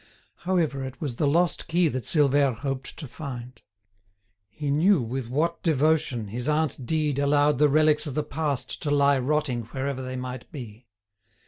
However, it was the lost key that Silvère hoped to find. He knew with what devotion his aunt Dide allowed the relics of the past to lie rotting wherever they might be.